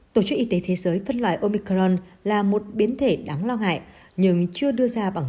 tổ chức y tế thế giới phân loại omicron là một biến thể đáng lo ngại nhưng chưa đưa ra bằng